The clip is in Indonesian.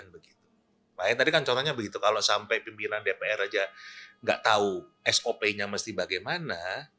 makanya tadi kan contohnya begitu kalau sampai pimpinan dpr aja nggak tahu sop nya mesti bagaimana